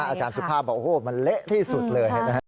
อาจารย์สุภาพบอกว่ามันเละที่สุดเลย